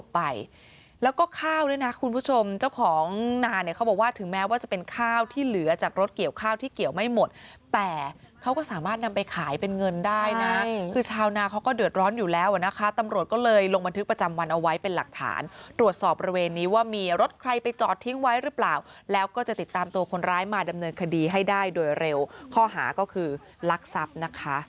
เป็นเงินได้นะคือชาวนาเขาก็เดือดร้อนอยู่แล้วนะคะตำรวจก็เลยลงบันทึกประจำวันเอาไว้เป็นหลักฐานตรวจสอบระเวนนี้ว่ามีรถใครไปจอดทิ้งไว้หรือเปล่าแล้วก็จะติดตามตัวคนร้ายมาดำเนินคดีให้ได้โดยเร็วข้อหาก็คือลักษัพนะคะ